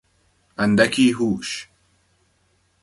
اندکی هوش